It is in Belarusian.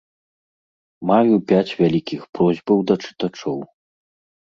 Маю пяць вялікіх просьбаў да чытачоў.